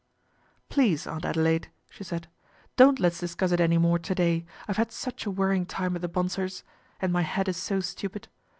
" Please, Aunt Adelaide," she said, " don't let's discuss it any more to day, I've had such a worry ing time at the Bonsors', and my head is so stupid.